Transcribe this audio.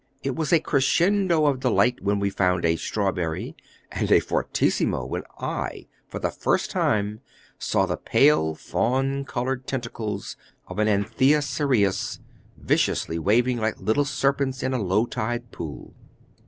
It was a crescendo of delight when we found a 'strawberry,' and a fortissimo when I, for the first time, saw the pale, fawn colored tentacles of an Anthea cereus viciously waving like little serpents in a low tide pool."